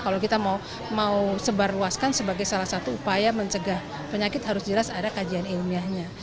kalau kita mau sebarluaskan sebagai salah satu upaya mencegah penyakit harus jelas ada kajian ilmiahnya